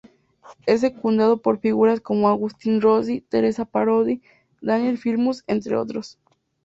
Es secundado por figuras como Agustín Rossi, Teresa Parodi, Daniel Filmus, entre otros.